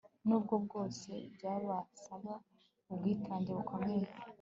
nubwo bwose byabasaba ubwitange bukomeye